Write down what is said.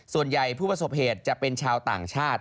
ส่วนใหญ่ผู้ประสบเหตุจะเป็นชาวต่างชาติ